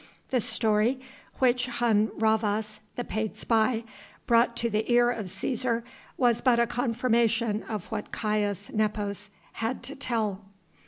The story which Hun Rhavas the paid spy brought to the ear of Cæsar, was but a confirmation of what Caius Nepos had to tell.